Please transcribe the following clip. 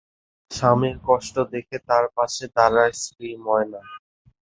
স্বামীর কষ্ট দেখে তার পাশে দাড়ায় স্ত্রী ময়না।